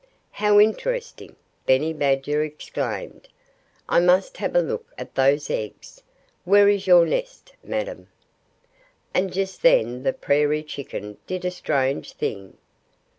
"How interesting!" Benny Badger exclaimed. "I must have a look at those eggs. Where is your nest, madam?" And just then the prairie chicken did a strange thing.